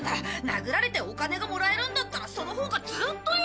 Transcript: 殴られてお金がもらえるんだったらそのほうがずーっといい！